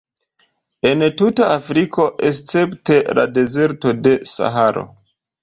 En tuta Afriko, escepte la dezerto de Saharo.